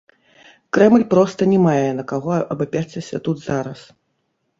Крэмль проста не мае на каго абаперціся тут зараз.